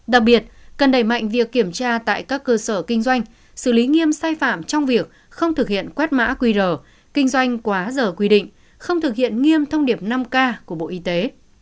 đặc biệt cần đẩy mạnh việc kiểm tra tại các cơ sở kinh doanh xử lý nghiêm sai phạm trong việc không thực hiện quét mã qr kinh doanh quá giờ quy định không thực hiện nghiêm thông điệp năm k của bộ y tế